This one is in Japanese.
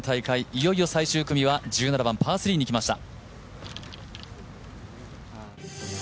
いよいよ最終組は１７番パー３にいきました。